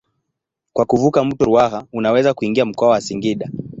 Kwa kuvuka mto Ruaha unaweza kuingia mkoa wa Singida.